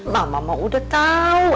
mama udah tahu